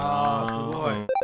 すごい。